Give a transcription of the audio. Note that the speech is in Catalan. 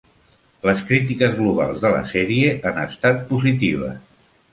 Les crítiques globals de la sèrie han estat positives.